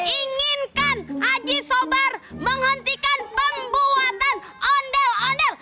inginkan aji sobar menghentikan pembuatan ondel ondel